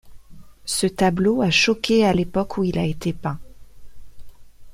Ce tableau a choqué à l'époque où il a été peint.